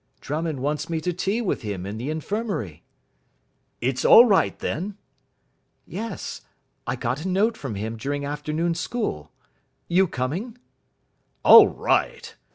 "Drummond wants me to tea with him in the infirmary." "It's all right, then?" "Yes. I got a note from him during afternoon school. You coming?" "All right.